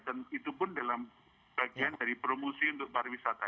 dan itu pun dalam bagian dari promosi untuk pariwisata